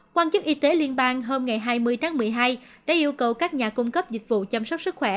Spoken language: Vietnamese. quan chức y tế liên bang hôm hai mươi tháng một mươi hai đã yêu cầu các nhà cung cấp dịch vụ chăm sóc sức khỏe